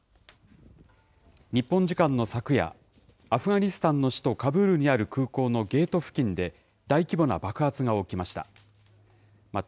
日本時間の昨夜、アフガニスタンの首都カブールにある空港のゲート付近で、大規模な爆発が起きました。